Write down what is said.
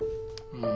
うん。